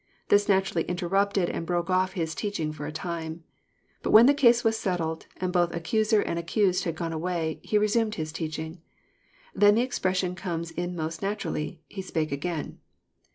This naturally in terrupted and broke off His teaching for a time. But when the case was settled, and both accuser and accused had gone away, He resumed His teaching. Then the expression comes In most naturally, He spake again."